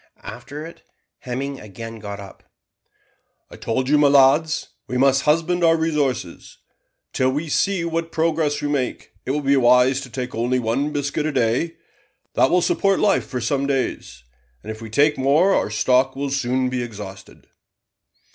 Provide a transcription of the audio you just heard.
After it, Hemming again got up, "I told you, my lads, we must husband our resources. Till we see what progress we make, it will be wise to take only one biscuit a day. That will support life for some days, and if we take more our stock will soon be exhausted."